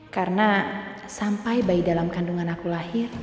karena sampai bayi dalam kandungan aku lahir